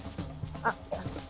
あっ。